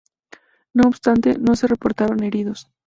No obstante, no se reportaron heridos.